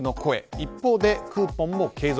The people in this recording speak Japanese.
一方でクーポンも継続。